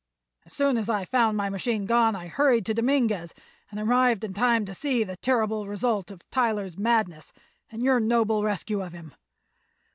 As soon as I found my machine gone I hurried to Dominguez and arrived in time to see the terrible result of Tyler's madness and your noble rescue of him.